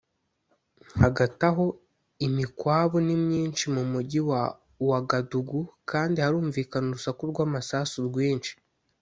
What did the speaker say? Hagati aho imikwabu ni myinshi mu mujyi wa Ouagadougou kandi harumvikana urusaku rw’amasasu rwinshi